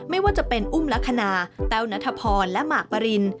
ไม่ว่าจะเป็นอุ้มลักษณะแต้วนัทพรและหมากปริน